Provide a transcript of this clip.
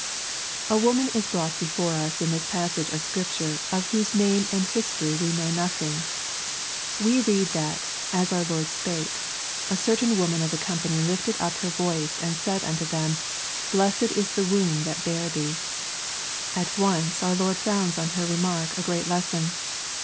A WOMAN is brought before us in this pat^sage of Scrip ture of whose name and history we know nothing. We read that, as our Lord spake, " A certain woraan of the company lifted up her voice and said unto him, Blessed is the womb that bare thee." At once our Lord founds on her remark a great lesson.